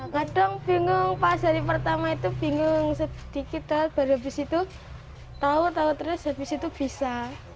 kadang bingung pas hari pertama itu bingung sedikit baru habis itu tahu tahu terus habis itu bisa